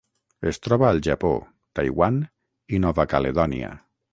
Es troba al Japó, Taiwan i Nova Caledònia.